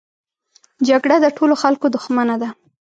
جګړه د ټولو خلکو دښمنه ده